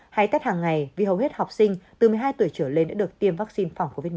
hay tắt hàng ngày vì hầu hết học sinh từ một mươi hai tuổi trở lên đã được tiêm vaccine phòng covid một mươi chín